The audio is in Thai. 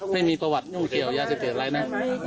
ไม่มีประวัติยุ่งเกี่ยวยาเสพติดอะไรนะ